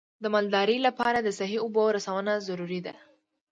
د مالدارۍ لپاره د صحي اوبو رسونه ضروري ده.